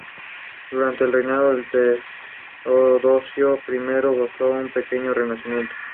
Durante el reinado de Teodosio I gozó de un pequeño renacimiento.